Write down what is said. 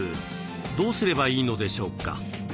どうすればいいのでしょうか？